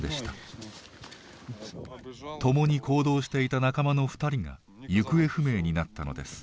共に行動していた仲間の２人が行方不明になったのです。